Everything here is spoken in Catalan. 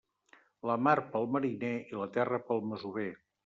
La mar pel mariner i la terra pel masover.